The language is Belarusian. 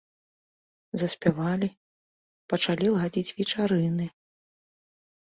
Заспявалі, пачалі ладзіць вечарыны.